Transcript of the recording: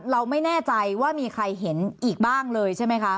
เราไม่แน่ใจว่ามีใครเห็นอีกบ้างเลยใช่ไหมคะ